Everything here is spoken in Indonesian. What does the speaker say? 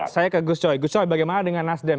saya ke gus coy gus coy bagaimana dengan nasdem